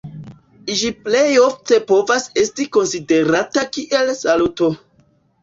Ĝi plejofte povas esti konsiderata kiel saluto.